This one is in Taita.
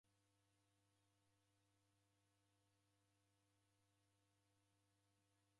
Nekiria kutini ajali ya ndege.